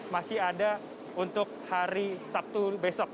masih ada untuk hari sabtu besok